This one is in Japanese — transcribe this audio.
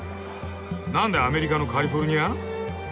何でアメリカのカリフォルニア！？